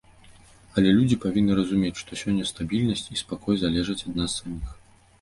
Але людзі павінны разумець, што сёння стабільнасць і спакой залежаць ад нас саміх.